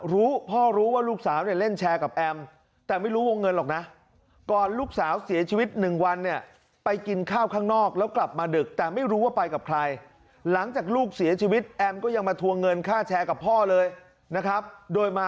รู้พ่อรู้ว่าลูกสาวเนี่ยเล่นแชร์กับแอม